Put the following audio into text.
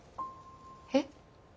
えっ？